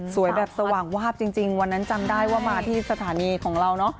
แบบสว่างวาบจริงวันนั้นจำได้ว่ามาที่สถานีของเราเนอะ